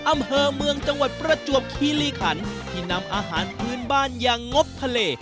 อำเภอเมืองจังหวัดประจวบคีรีขันที่นำอาหารพื้นบ้านอย่างงบทะเล